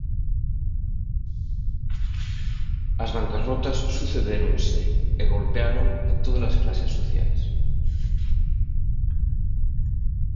As bancarrotas sucedéronse e golpearon a todas as clases sociais.